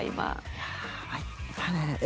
いやー、参ったね。